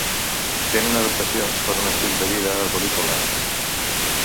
Tenen adaptacions per a un estil de vida arborícola.